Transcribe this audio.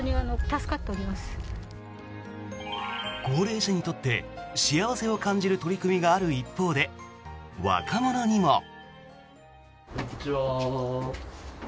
高齢者にとって幸せを感じる取り組みがある一方で若者にも。